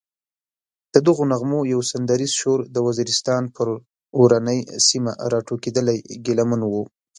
ددغو نغمو یو سندریز شور د وزیرستان پر اورنۍ سیمه راټوکېدلی ګیله من و.